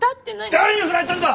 誰にフラれたんだ！